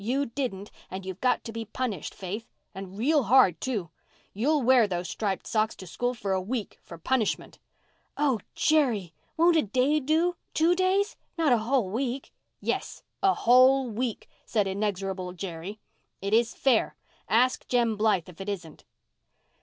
You didn't and you've got to be punished, Faith—and real hard, too. You'll wear those striped stockings to school for a week for punishment." "Oh, Jerry, won't a day do—two days? Not a whole week!" "Yes, a whole week," said inexorable Jerry. "It is fair—ask Jem Blythe if it isn't."